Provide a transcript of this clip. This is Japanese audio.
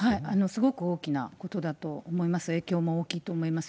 すごく大きなことだと思います、影響も大きいと思います。